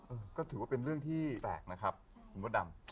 เออก็ถือว่าเป็นเรื่องที่แปลกนะครับคุณมดดำ